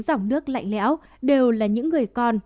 dòng nước lạnh lẽo đều là những người con